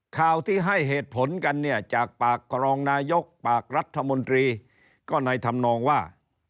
ข่าวที่ให้เหตุผลกันเนี่ยจากปากกรองนายกปากรัฐมนตรีก็ในธรรมนองว่า